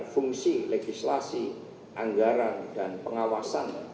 fungsi legislasi anggaran dan pengawasan